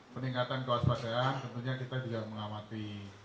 peningkatan kewaspadaan tentunya kita juga mengamati